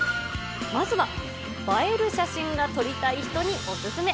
まずは映える写真が撮りたい人にお勧め。